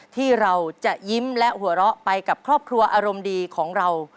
ที่เราจะยิ้มและหัวเราะไปกับครอบครัวอารมณ์ดีของเรา